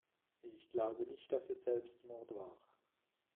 Ich glaube nicht, dass es Selbstmord war.